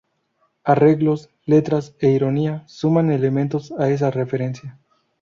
Arreglos, letras e ironía suman elementos a esa referencia.